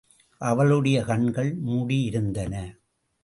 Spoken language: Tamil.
அவளுடைய கண்கள் முடியிருந்தன.